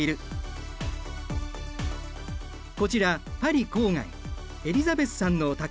こちらパリ郊外エリザベスさんのお宅。